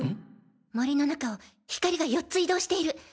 森の中を光が４つ移動している。